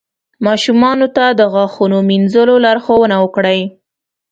ماشومانو ته د غاښونو مینځلو لارښوونه وکړئ.